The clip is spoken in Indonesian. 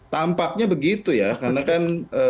tampaknya begitu ya karena kan